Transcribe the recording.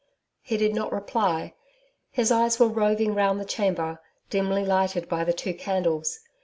He did not reply. His eyes were roving round the chamber, dimly lighted by the two candles.